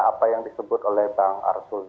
apa yang disebut oleh bang arsul